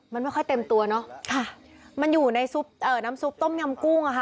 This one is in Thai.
มันไม่ค่อยเต็มตัวเนอะมันอยู่ในน้ำซุปต้มยำกุ้งค่ะ